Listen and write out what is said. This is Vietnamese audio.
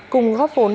cùng góp vốn